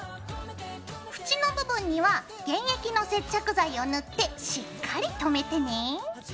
縁の部分には原液の接着剤を塗ってしっかりとめてね。